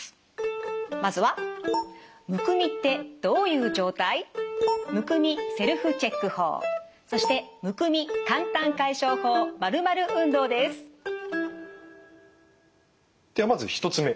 まずはではまず１つ目。